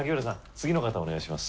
次の方お願いします。